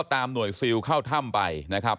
หน่วยซิลเข้าถ้ำไปนะครับ